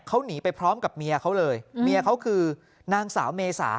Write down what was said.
เขาหนีไปพร้อมกับเมียเขาเลยเมียเขาคือนางสาวเมษา